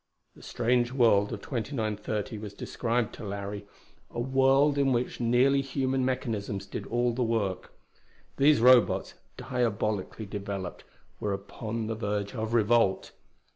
The strange world of 2930 was described to Larry a world in which nearly human mechanisms did all the work. These Robots, diabolically developed, were upon the verge of revolt.